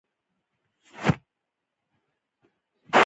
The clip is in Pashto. د احمد شاه بابا د وفات ذکر